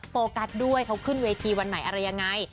โฟกัสด้วยเขาขึ้นเวทีวันไหนอะไรยังไง